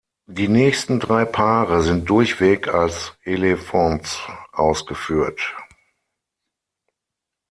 Die nächsten drei Paare sind durchweg als Elevons ausgeführt.